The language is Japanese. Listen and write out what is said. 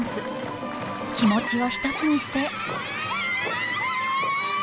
気持ちを一つにして。